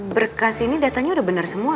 berkasi ini datanya udah bener semua